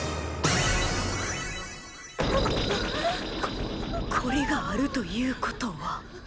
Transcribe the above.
ここれがあるということは。